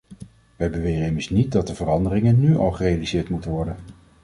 Wij beweren immers niet dat de veranderingen nu al gerealiseerd moeten worden.